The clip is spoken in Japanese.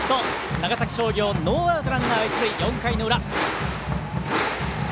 長崎商業ノーアウトランナー、一塁４回の裏。